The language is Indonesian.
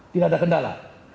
tidak ada kendala